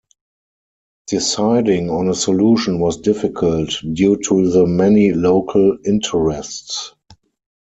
Deciding on a solution was difficult, due to the many local interests.